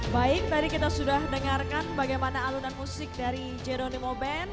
baik tadi kita sudah dengarkan bagaimana alunan musik dari jeroni moben